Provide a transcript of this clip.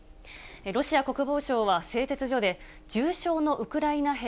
ロシア国防省は製鉄所で、重傷のウクライナ兵